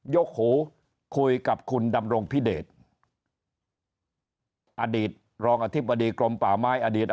กหูคุยกับคุณดำรงพิเดชอดีตรองอธิบดีกรมป่าไม้อดีต